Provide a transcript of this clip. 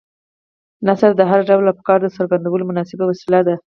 نثر د هر ډول افکارو د څرګندولو مناسبه وسیله ده.